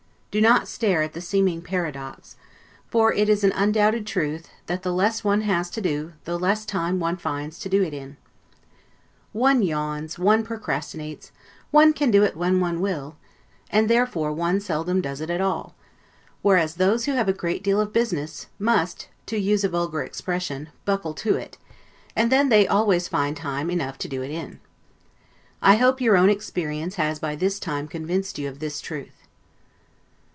Do not stare at the seeming paradox; for it is an undoubted truth, that the less one has to do, the less time one finds to do it in. One yawns, one procrastinates, one can do it when one will, and therefore one seldom does it at all; whereas those who have a great deal of business, must (to use a vulgar expression) buckle to it; and then they always find time enough to do it in. I hope your own experience has by this time convinced you of this truth.